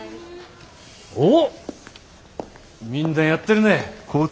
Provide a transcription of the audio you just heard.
おっみんなやってるね。